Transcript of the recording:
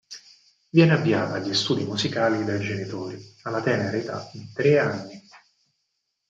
Viene avviata agli studi musicali dai genitori, alla tenera età di tre anni.